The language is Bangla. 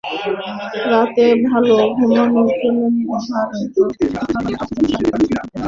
রাতে ভালো ঘুমের জন্য নির্ধারিত কিছু খাবারের পাশাপাশি শারীরিক পরিশ্রমও করতে হবে।